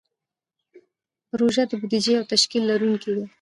پروژه د بودیجې او تشکیل لرونکې وي.